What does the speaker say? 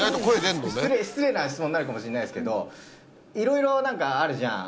失礼な質問になるかもしれないですけどいろいろ何かあるじゃん